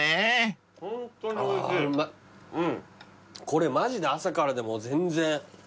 これマジで朝からでも全然。